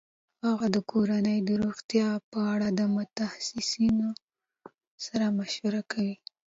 هغې د کورنۍ د روغتیا په اړه د متخصصینو سره مشوره کوي.